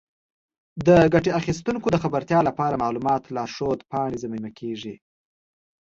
د ګټې اخیستونکو د خبرتیا لپاره معمولا لارښود پاڼې ضمیمه کیږي.